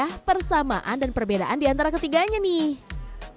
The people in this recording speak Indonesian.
ada persamaan dan perbedaan di antara ketiganya nih